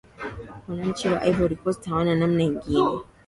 wananchi wa ivory coast hawana namna nyingine